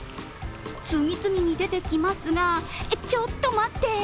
次々に出てきますがちょっと待って！